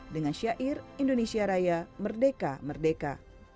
dengan syair indonesia raya merdeka merdeka